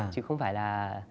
chứ không phải là